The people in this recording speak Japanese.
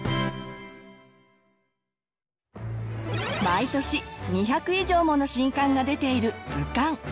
毎年２００以上もの新刊が出ている図鑑。